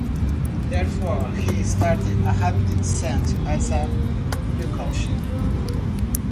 Therefore, he started a rapid descent as a precaution.